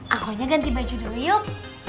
aku nya ganti baju dulu yuk